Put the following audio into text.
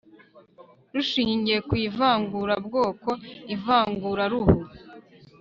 rushingiye ku ivangurabwoko ivanguraruhu